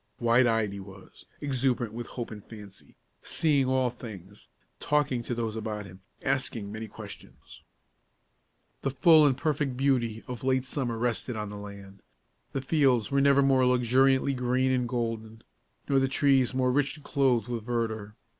Wide eyed he was; exuberant with hope and fancy, seeing all things, talking to those about him, asking many questions. The full and perfect beauty of late summer rested on the land. The fields were never more luxuriantly green and golden, nor the trees more richly clothed with verdure.